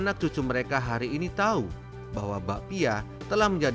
makanan terbaik dan ber filter sis hewas munyah coney